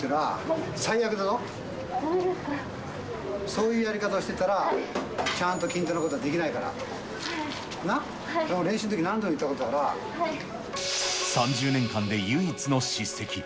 そういうやり方をしていたら、ちゃんと均等なことはできないから、な、練習のとき、何度も言っ３０年間で唯一の叱責。